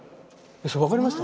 分かりました？